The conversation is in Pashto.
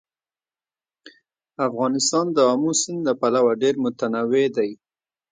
افغانستان د آمو سیند له پلوه ډېر متنوع دی.